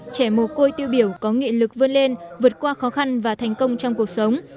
trẻ mồ côi tiêu biểu có nghị lực vươn lên vượt qua khó khăn và thành công trong cuộc sống